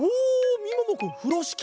みももくんふろしき！